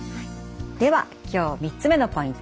では今日３つ目のポイント。